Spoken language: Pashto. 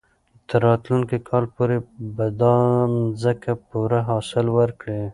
تر راتلونکي کال پورې به دا مځکه پوره حاصل ورکړي.